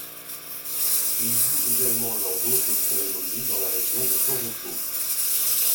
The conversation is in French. Ils jouent également lors d'autres cérémonies dans la région de Toronto.